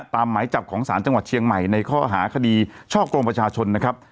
หมายจับของศาลจังหวัดเชียงใหม่ในข้อหาคดีช่อกงประชาชนนะครับ